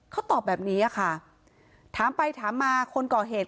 เขาตอบแบบนี้ค่ะถามไปถามมาคนก่อเหตุ